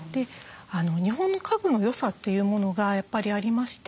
日本の家具の良さというものがやっぱりありまして